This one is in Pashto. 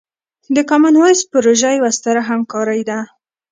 د کامن وایس پروژه یوه ستره همکارۍ ده.